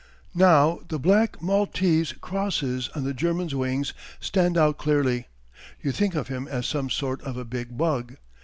Now the black Maltese crosses on the German's wings stand out clearly. You think of him as some sort of a big bug.